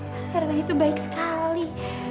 mas erwan itu baik sekali